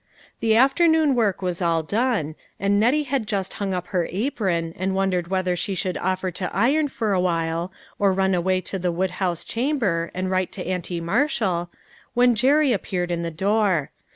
The afternoon work was all done, and Nettie had just hung up her apron, and wondered whether she should offer to iron for awhile, or run away to the woodhouse chamber, and write to Auntie Marshall, when Jerry appeared in the door.